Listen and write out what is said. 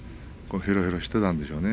へらへらしていたんでしょうね。